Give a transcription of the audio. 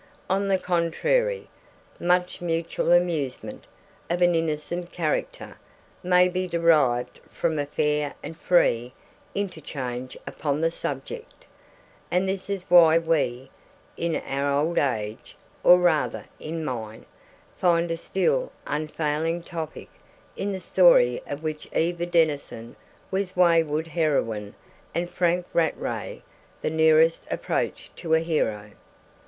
On the contrary, much mutual amusement, of an innocent character, may be derived from a fair and free interchange upon the subject; and this is why we, in our old age (or rather in mine), find a still unfailing topic in the story of which Eva Denison was wayward heroine and Frank Rattray the nearest approach to a hero.